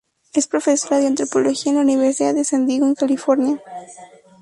Es profesora de antropología en la Universidad de San Diego, en California.